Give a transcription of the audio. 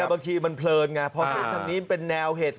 ไม่บางทีมันเพลินไงเพราะถ้าทำนี้เป็นแนวเหตุ